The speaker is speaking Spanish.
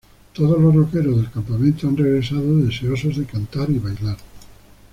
Todos los roqueros del campamento han regresado, deseosos de cantar y bailar.